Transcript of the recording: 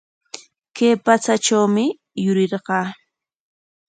Kay patsatrawmi yurirqaa.